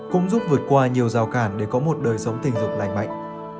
cũng giúp vượt qua nhiều rào cản để có một đời sống tình dục lành mạnh